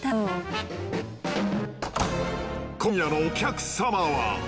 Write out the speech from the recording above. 今夜のお客様は。